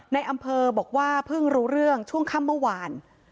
ในอำเภอบอกว่าเพิ่งรู้เรื่องช่วงค่ำเมื่อวาน